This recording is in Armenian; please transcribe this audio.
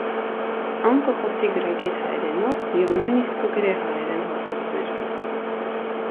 Ան կը խօսի գրագէտ հայերէնով եւ նոյնիսկ կը գրէ հայերէն յօդուածներ։